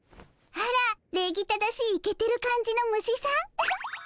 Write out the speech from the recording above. あら礼儀正しいイケてる感じの虫さんウフッ。